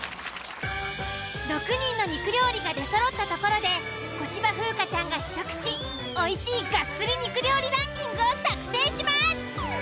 ６人の肉料理が出そろったところで小芝風花ちゃんが試食しおいしいガッツリ肉料理ランキングを作成します。